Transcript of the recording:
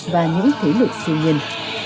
và những thế lực siêu nhân